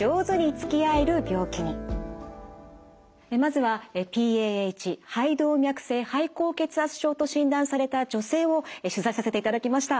まずはＰＡＨ肺動脈性肺高血圧症と診断された女性を取材させていただきました。